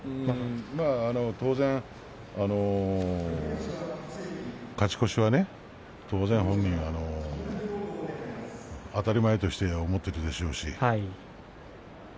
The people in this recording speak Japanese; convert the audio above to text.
当然、勝ち越しは当然、本人は当たり前として思っているでしょうし。